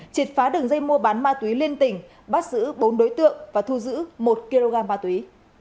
triệt phá đường dây mua bán ma túy liên tỉnh bắt giữ bốn đối tượng và thu giữ một kg ma túy